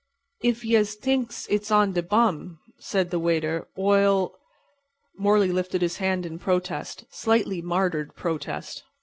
"If yez t'inks it's on de bum," said the waiter, "Oi'll"— Morley lifted his hand in protest—slightly martyred protest.